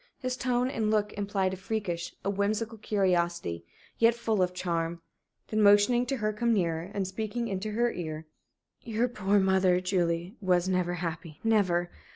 His tone and look implied a freakish, a whimsical curiosity, yet full of charm. Then, motioning to her to come nearer, and speaking into her ear: "Your poor mother, Julie, was never happy never!